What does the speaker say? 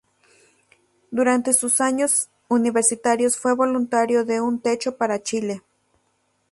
Durante sus años universitarios fue voluntario de Un Techo para Chile.